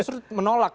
atau justru menolak